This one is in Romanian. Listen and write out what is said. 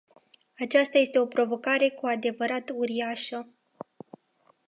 Aceasta este o provocare cu adevărat uriașă.